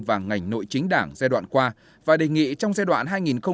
và ngành nội chính đảng giai đoạn qua và đề nghị trong giai đoạn hai nghìn hai mươi hai nghìn hai mươi năm